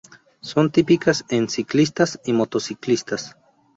Son típicas en ciclistas y motociclistas.